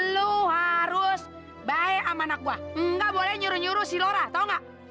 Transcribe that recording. lu harus baik sama anak gua enggak boleh nyuruh nyuruh si lora tau gak